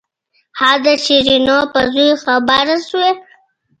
ها د شيرينو په زوى خبره سوې.